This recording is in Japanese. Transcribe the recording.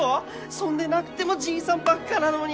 そんでなくてもじいさんばっかなのに！